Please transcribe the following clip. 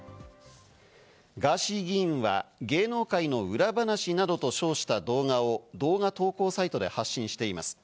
ガーシー議員は芸能界の裏話などと称した動画を動画投稿サイトで発信しています。